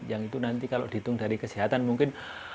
yang itu nanti kalau dihitung dari kesehatan mungkin